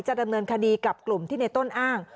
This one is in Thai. ดำเนินคดีกับกลุ่มที่ในต้นอ้าง